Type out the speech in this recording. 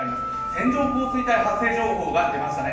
線状降水帯発生情報が出ました。